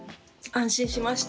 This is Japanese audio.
安心しました。